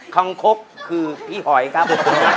ังคกคือพี่หอยครับ